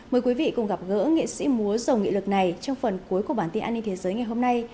mời quý vị cùng gặp gỡ nghệ sĩ múa dầu nghị lực này trong phần cuối của bản tin an ninh thế giới ngày hôm nay